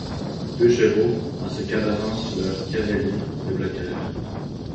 Deux chevaux, en se cabrant sous leurs cavaliers, le bloquèrent.